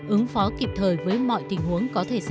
ứng phó kịp thời với mọi tình huống có thể xảy ra